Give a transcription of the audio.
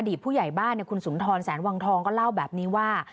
ผู้ใหญ่บ้านคุณสุนทรแสนวังทองก็เล่าแบบนี้ว่า